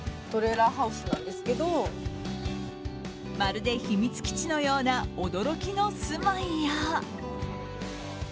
まるで秘密基地のような驚きの住まいや。